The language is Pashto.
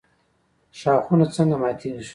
ښاخونه څنګه ماتیږي؟